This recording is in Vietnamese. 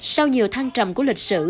sau nhiều thăng trầm của lịch sử